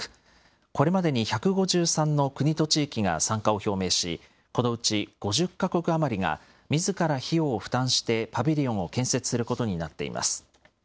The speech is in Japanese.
これまでに１５３の国と地域が参加を表明し、このうち５０か国余りが、みずから費用を負担してパビリオンを建設することになっています。